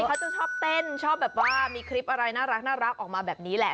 เขาจะชอบเต้นชอบแบบว่ามีคลิปอะไรน่ารักออกมาแบบนี้แหละ